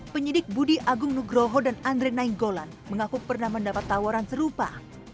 penyidik budi agung nugroho dan andre nainggolan mengaku pernah mendapat tawaran serupa